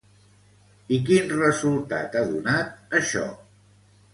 I quin resultat ha donat, això?